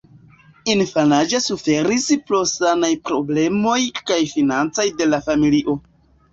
Infanaĝe suferis pro sanaj problemoj kaj financaj de la familio.